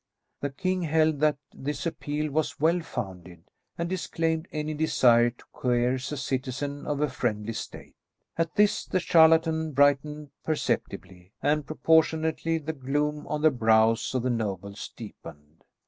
The king held that this appeal was well founded, and disclaimed any desire to coerce a citizen of a friendly state. At this the charlatan brightened perceptibly, and proportionately the gloom on the brows of the nobles deepened.